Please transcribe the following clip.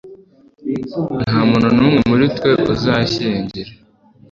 Nta muntu n umwe muri twe uzashyingira